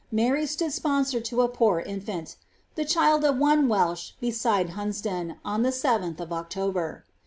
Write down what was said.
Mary stood sponsor to a poor in&nt, ^ the child of cat Weishe, beside Hunsdon, on the 7th of October.''